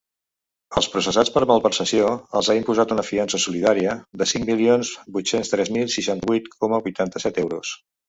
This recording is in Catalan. Als processats per malversació, els ha imposat una fiança solidària de cinc milions vuit-cents tres mil seixanta-vuit coma vuitanta-set euros.